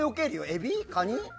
エビ、カニ？